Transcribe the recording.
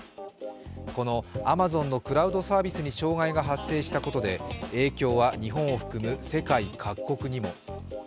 このアマゾンのクラウドサービスに障害が発生したことで影響は日本を含む世界各国にも。